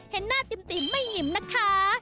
เห็นหน้าติ่มไม่ยิ้มนะคะ